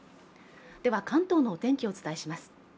関東のお天気をお伝えします。